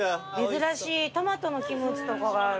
珍しいトマトのキムチとかがある。